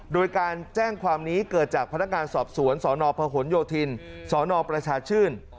โดยการแจ้งความนี้เกิดจากพนักงานสอบสวนสนพหนโยธินสนประชาชื่น